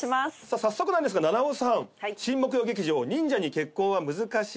早速なんですが菜々緒さん新木曜劇場『忍者に結婚は難しい』